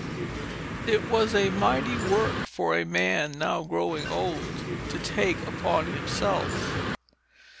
It was a mighty work for a man, now growing old, to take upon himself.